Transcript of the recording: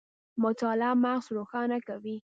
مطالعه مغز روښانه کوي